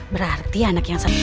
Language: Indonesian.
berarti anak yang sama